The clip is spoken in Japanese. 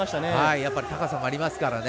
やはり高さもありますからね。